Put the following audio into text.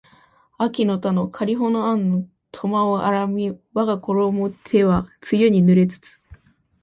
秋の田のかりほの庵の苫を荒みわがころも手は露に濡れつつ